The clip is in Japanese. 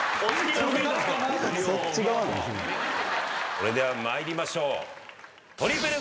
それでは参りましょう。